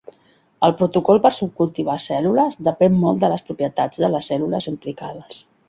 El protocol per subcultivar cèl·lules depèn molt de les propietats de les cèl·lules implicades.